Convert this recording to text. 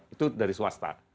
itu dari swasta